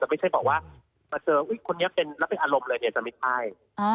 จะไม่ใช่บอกว่ามาเจออุ๊ยคนนี้เป็นแล้วเป็นอารมณ์เลยจะไม่ใช่